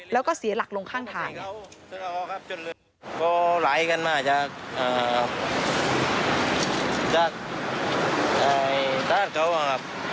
แล้วก็เสียหลักลงข้างทาง